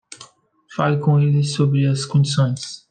Fale com eles sobre as condições